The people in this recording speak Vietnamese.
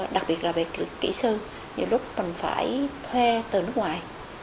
đặc biệt là về kỹ sư nhiều lúc mình phải thuê từ nước ngoài